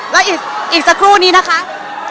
แล้วอีกสักครู่นี้นะคะ